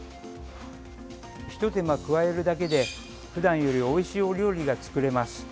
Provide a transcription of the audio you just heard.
ひと手間加えるだけでふだんよりおいしいお料理が作れます。